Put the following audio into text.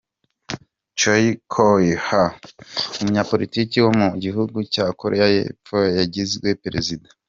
Choi Kyu-hah, umunyapolitiki wo mu gihugu cya Koreya y’Epfo , yagizwe Perezida.